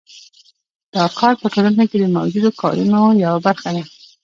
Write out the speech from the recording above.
دا کار په ټولنه کې د موجودو کارونو یوه برخه ده